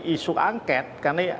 isu angket karena